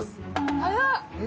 早っ！